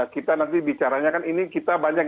kita nanti bicaranya kan ini kita banyak